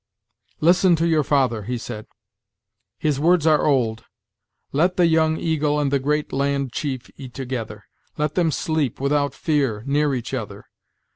"Listen to your father," he said; "his words are old. Let the Young Eagle and the Great Land Chief eat together; let them sleep, without fear, near each other.